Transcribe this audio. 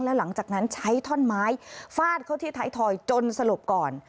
แล้วหลังจากนั้นใช้ท่อนไม้ฟาดเข้าที่ไทยทอยจนสลบก่อน